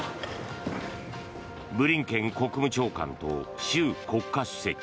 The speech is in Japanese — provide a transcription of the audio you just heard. ブリンケン国務長官と習国家主席。